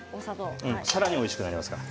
さらにおいしくなりますから。